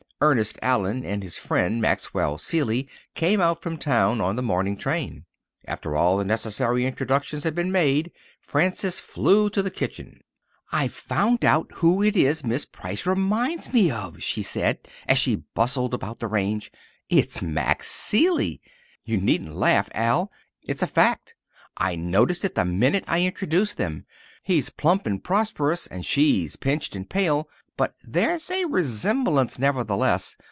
Ernest Allen and his friend, Maxwell Seeley, came out from town on the morning train. After all the necessary introductions had been made, Frances flew to the kitchen. "I've found out who it is Miss Price reminds me of," she said, as she bustled about the range. "It's Max Seeley. You needn't laugh, Al. It's a fact. I noticed it the minute I introduced them. He's plump and prosperous and she's pinched and pale, but there's a resemblance nevertheless.